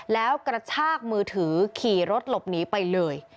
แล้วกระชากมือถือขี่รถหลบหนีไปเลย